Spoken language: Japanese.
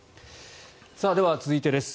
では、続いてです。